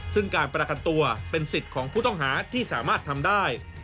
ซึ่งการประกันตัวเป็นสิทธิ์ของผู้ต้องหาที่สามารถทำได้